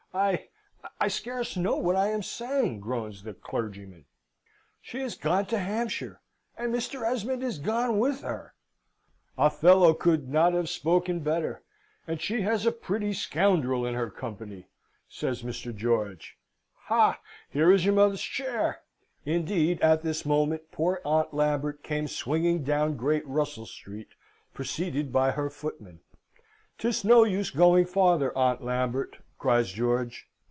I I scarce know what I am saying," groans the clergyman. "She is gone to Hampshire, and Mr. Esmond is gone with her!" "Othello could not have spoken better! and she has a pretty scoundrel in her company!" says Mr. George. "Ha! here is your mother's chair!" Indeed, at this moment poor Aunt Lambert came swinging down Great Russell Street, preceded by her footman. "'Tis no use going farther, Aunt Lambert!" cries George.